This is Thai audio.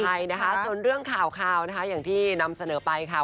ใช่นะคะส่วนเรื่องข่าวนะคะอย่างที่นำเสนอไปค่ะ